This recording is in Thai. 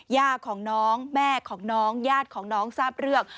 ย่าของน้องแม่ของน้องญาติของน้องทราบเรื่อง